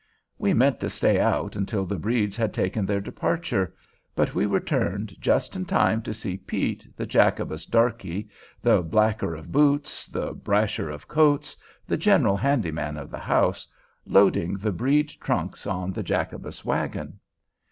We meant to stay out until the Bredes had taken their departure; but we returned just in time to see Pete, the Jacobus darkey, the blacker of boots, the brasher of coats, the general handy man of the house, loading the Brede trunks on the Jacobus wagon.